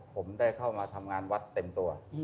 ผมได้เข้ามาทำงานวัดเต็มตัว